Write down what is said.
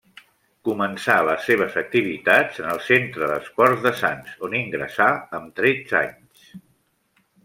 Començà les seves activitats en el Centre d'Esports de Sants, on ingressà amb tretze anys.